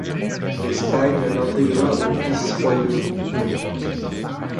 L'Espagne l'intégra au vice-royaume du Pérou.